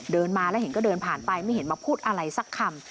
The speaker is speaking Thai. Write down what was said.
เดินมาแล้วเห็นก็เดินผ่านไปไม่เห็นมาพูดอะไรสักคำ